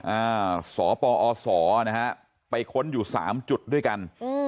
อ่าสปอสนะฮะไปค้นอยู่๓จุดด้วยกัน